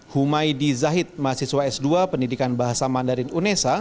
humaydi zahid mahasiswa s dua pendidikan bahasa mandarin unesa